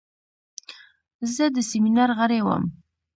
زه د سیمینار غړی وم.